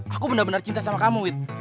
aku benar benar cinta sama kamu